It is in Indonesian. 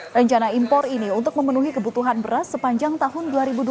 rencana impor ini untuk memenuhi kebutuhan beras sepanjang tahun dua ribu dua puluh